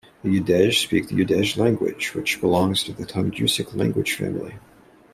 The Udege speak the Udege language, which belongs to the Tungusic language family.